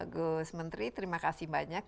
gus menteri terima kasih banyak